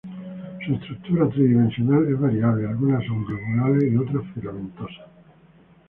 Su estructura tridimensional es variable, algunas son globulares y otras filamentosas.